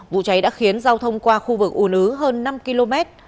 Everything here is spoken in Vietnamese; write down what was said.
vụ cháy đã khiến giao thông qua khu vực ùn ứ hơn năm km